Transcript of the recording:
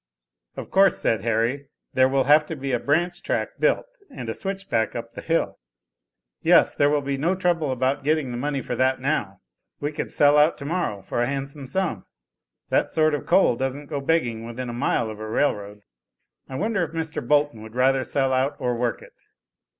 "Of course," said Harry, "there will have to be a branch track built, and a 'switch back' up the hill." "Yes, there will be no trouble about getting the money for that now. We could sell out tomorrow for a handsome sum. That sort of coal doesn't go begging within a mile of a rail road. I wonder if Mr. Bolton would rather sell out or work it?"